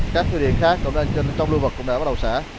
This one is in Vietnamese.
các thủy điện khác trong lưu vực cũng đã bắt đầu xả